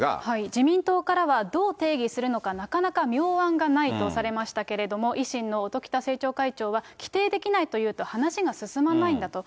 自民党からはどう定義するのか、なかなか妙案がないとされましたけれども、維新の音喜多政調会長は、規定できないというと話が進まないんだと。